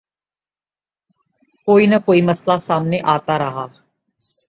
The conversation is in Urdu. کوئی نہ کوئی مسئلہ سامنے آتا رہا۔